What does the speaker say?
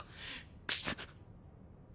クソッ！